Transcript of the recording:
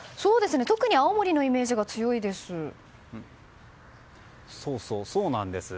特に青森のイメージが強いです。